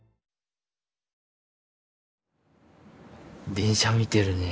電車見てるね。